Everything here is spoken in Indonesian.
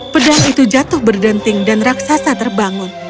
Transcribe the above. pedang itu jatuh berdenting dan raksasa terbangun